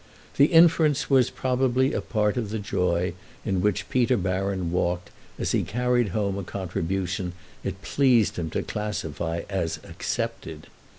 This inference was probably a part of the joy in which Peter Baron walked as he carried home a contribution it pleased him to classify as accepted.